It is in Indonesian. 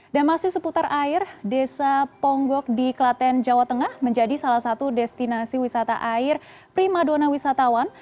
masih seputar air desa ponggok di klaten jawa tengah menjadi salah satu destinasi wisata air prima dona wisatawan